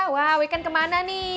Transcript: wah weekend kemana nih